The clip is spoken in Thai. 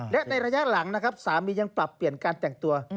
และในระยะหลังนะครับสามียังปรับเปลี่ยนการแต่งตัว